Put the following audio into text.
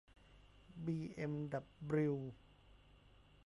บีเอ็มดับบลิว